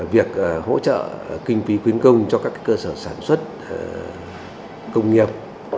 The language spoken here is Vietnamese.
việc hỗ trợ kinh phí khuyến công cho các cơ sở sản xuất công nghiệp